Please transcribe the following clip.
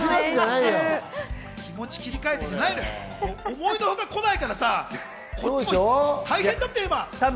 気持ち切り替えてじゃないのよ、思いのほか来ないから大変だったよ。